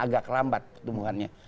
agak lambat pertumbuhannya